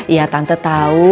ya tante tau